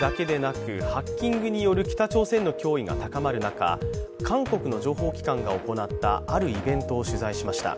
ミサイルだけでなく、ハッキングによる北朝鮮の脅威が高まる中、韓国の情報機関が行ったあるイベントを取材いました。